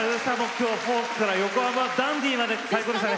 今日フォークから、横浜ダンディーまで最高でした。